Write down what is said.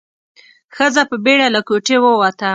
ښځه په بيړه له کوټې ووته.